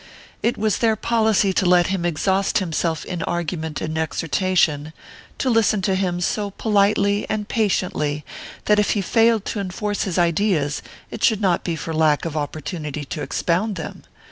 It was their policy to let him exhaust himself in argument and exhortation, to listen to him so politely and patiently that if he failed to enforce his ideas it should not be for lack of opportunity to expound them....